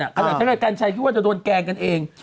อาจารย์กันชัยคิดว่าจะโดนแกงกันเอง